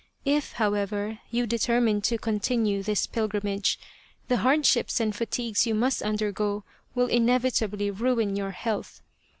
If, however, you determine to continue this pilgrimage, the hardships and fatigues you must undergo will inevitably ruin your health.